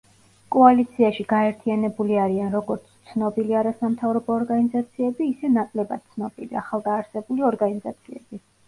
კოალიციაში გაერთიანებული არიან როგორც ცნობილი არასამათავრობო ორგანიზაციები, ისე ნაკლებად ცნობილი, ახალდაარსებული ორგანიზაციები.